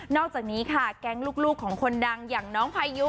อกจากนี้ค่ะแก๊งลูกของคนดังอย่างน้องพายุ